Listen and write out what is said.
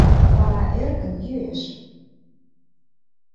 Вара э-эркын йӱэш.